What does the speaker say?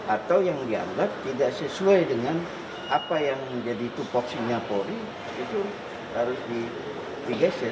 atau yang dianggap tidak sesuai dengan apa yang menjadi tupoksinya polri itu harus digeser